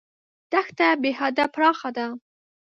دښته بېحده پراخه ده.